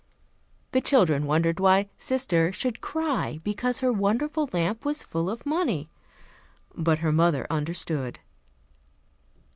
The children wondered why "Sister" should cry because her wonderful lamp was full of money; but her mother understood.